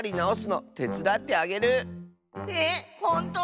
えっほんと⁉